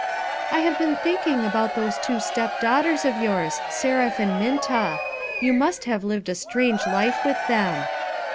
"I have been thinking about those two step daughters of. yours, Seraph and Minta. You must have lived a strange life with them."